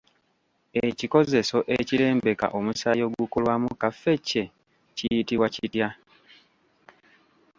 Ekikozeso ekirembeka omusaayi ogukolwamu kaffecce kiyitibwa kitya?